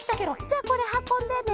じゃあこれはこんでね。